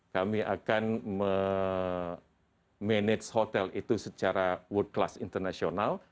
kami akan manage hotel itu secara world class internasional